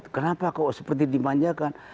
kenapa kok seperti dimanjakan